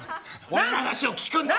俺の話を聞くんだ！